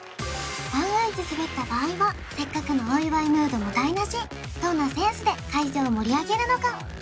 万が一スベった場合はせっかくのお祝いムードも台なしどんなセンスで会場を盛り上げるのか？